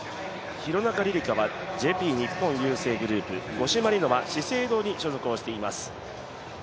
廣中璃梨佳はＪＰ日本郵政グループ、五島莉乃は資生堂に所属しています。